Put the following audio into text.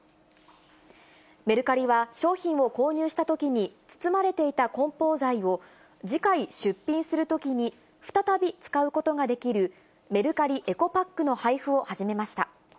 メルカリは、商品を購入したときに包まれていたこん包材を、次回出品するときに再び使うことができる、メルカリエコパックの配布を始めました。